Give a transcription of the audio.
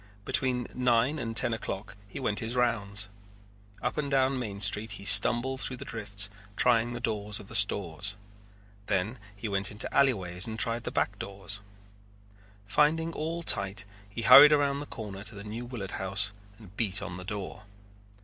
Between nine and ten o'clock he went his rounds. Up and down Main Street he stumbled through the drifts trying the doors of the stores. Then he went into alleyways and tried the back doors. Finding all tight he hurried around the corner to the New Willard House and beat on the door.